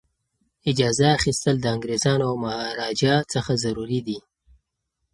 اجازه اخیستل د انګریزانو او مهاراجا څخه ضروري دي.